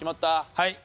はい。